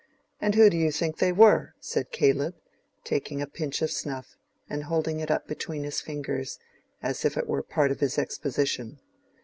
And who do you think they were?" said Caleb, taking a pinch of snuff and holding it up between his fingers, as if it were a part of his exposition.